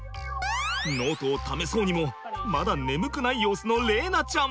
ノートを試そうにもまだ眠くない様子の玲菜ちゃん。